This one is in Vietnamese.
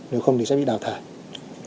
nếu không thì sẽ bị đào thải